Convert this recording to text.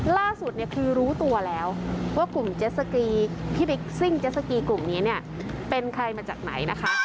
ล่าสุดเนี่ยคือรู้ตัวแล้วว่ากลุ่มเจ็ดสกีที่บิ๊กซิ่งเจสสกีกลุ่มนี้เนี่ยเป็นใครมาจากไหนนะคะ